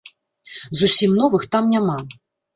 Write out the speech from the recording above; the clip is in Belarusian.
Зусім новых там няма.